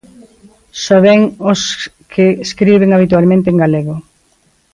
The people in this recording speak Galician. Soben os que escriben habitualmente en galego.